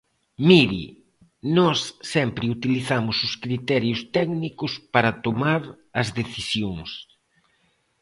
Mire, nós sempre utilizamos os criterios técnicos para tomar as decisións.